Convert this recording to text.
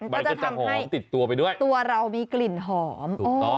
มันก็จะทำให้ตัวเรามีกลิ่นหอม